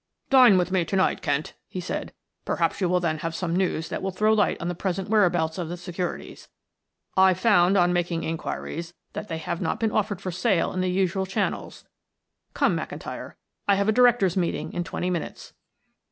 "Dine with me to night, Kent," he said. "Perhaps you will then have some news that will throw light on the present whereabouts of the securities. I found, on making inquiries, that they have not been offered for sale in the usual channels. Come, McIntyre, I have a directors' meeting in twenty minutes."